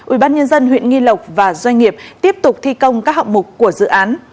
ubnd huyện nghi lộc và doanh nghiệp tiếp tục thi công các hạng mục của dự án